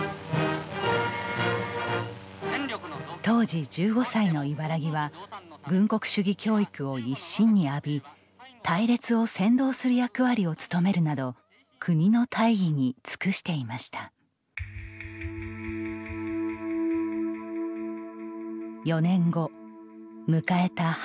当時１５歳の茨木は軍国主義教育を一身に浴び隊列を先導する役割を務めるなど国の大義に尽くしていました。